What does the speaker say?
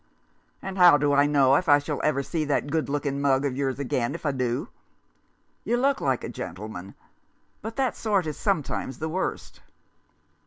"And how do I know I shall ever see that good looking mug of yours again if I do ? You look like a gentleman — but that sort is sometimes the worst."